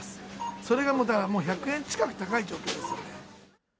それがもうだから、１００円近く高い状況ですよね。